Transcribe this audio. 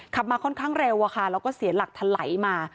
ขับมาค่อนข้างเร็วค่ะแล้วก็เสียหลักถลายมา